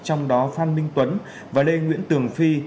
trong đó phan minh tuấn và lê nguyễn tường phi